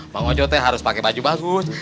bang wajod teh harus pake baju bagus